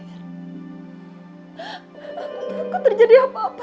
takut terjadi apa apa